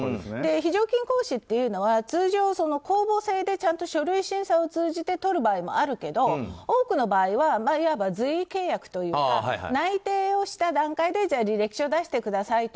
非常勤講師というのは通常、公募制でちゃんと書類審査を通じてとる場合もあるけど多くの場合はいわば随意契約というか内定をした段階で、じゃあ履歴書を出してくださいと。